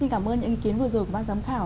xin cảm ơn những ý kiến vừa rồi của ban giám khảo